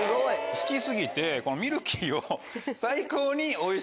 好き過ぎてミルキーを。